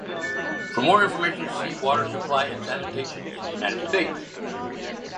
For more information see water supply and sanitation in the United States.